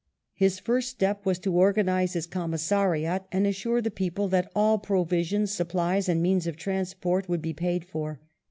His first step was to organise his commissariat and assure the people that all provisions, supplies, and means of transport would be paid for.